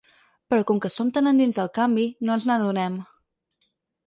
Però com que som tan endins del canvi, no ens n’adonem.